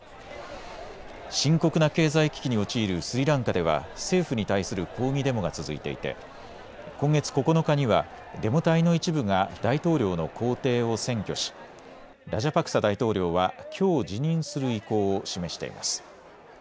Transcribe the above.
深刻な経済危機に陥るスリランカでは政府に対する抗議デモが続いていて、今月９日にはデモ隊の一部が大統領の公邸を占拠しラジャパクサ大統領はきょう辞任する意向を示しています。